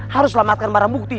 harus selamatkan barang bukti